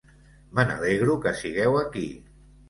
Me n'alegro que sigueu aquí.